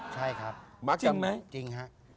ใช่ครับมักจริงไหมจริงฮะ